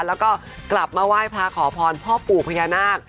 แล้วก็กลับมาไหว้พระขอพรพ่อปู่พญานาค